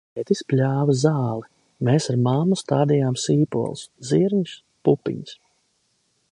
Tētis pļāva zāli, mēs ar mammu stādījām sīpolus, zirņus, pupiņas.